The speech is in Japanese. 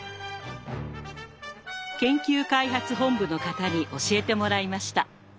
研究開発本部の方に教えてもらいました。